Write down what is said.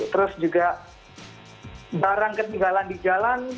terus juga barang ketinggalan di jalan